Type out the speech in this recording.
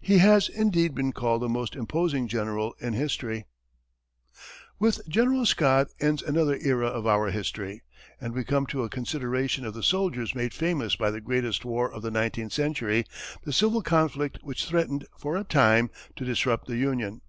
He has, indeed, been called the most imposing general in history. With General Scott ends another era of our history, and we come to a consideration of the soldiers made famous by the greatest war of the nineteenth century the civil conflict which threatened, for a time, to disrupt the Union.